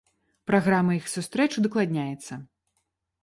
Праграма іх сустрэч удакладняецца.